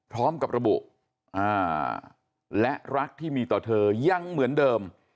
ทบอกเธอยังเหมือนเดิม